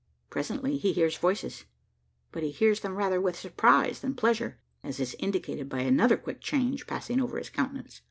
Presently, he hears voices; but he hears them rather with surprise than pleasure as is indicated by another quick change passing over his countenance.